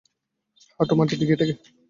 হাঁটু মাটিতে গিয়ে ঠেকে।